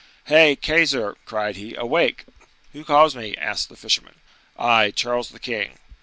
"Hey! Keyser!" cried he, "awake!" "Who calls me?" asked the fisherman. "I, Charles the king."